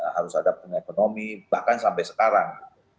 harus ada ekonomi bahkan sampai sekarang